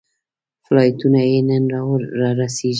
فلایټونه یې نن رارسېږي.